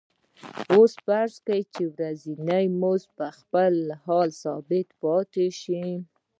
اوس فرض کړئ چې ورځنی مزد په خپل حال ثابت پاتې شي